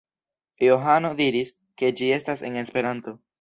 Johano diris, ke ĝi estas en Esperanto.